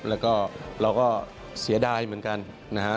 แล้วก็เราก็เสียดายเหมือนกันนะฮะ